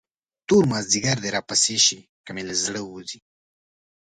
تور مازدیګر دې راپسې شي، که مې له زړه وځې.